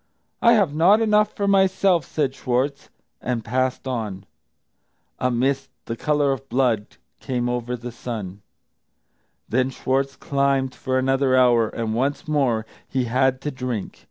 "I have not enough for myself," said Schwartz, and passed on. A mist, of the colour of blood, came over the sun. Then Schwartz climbed for another hour, and once more he had to drink.